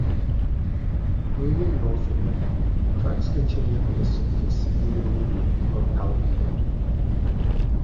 Moving northward, tracks continue on the surface, in the median of Allen Road.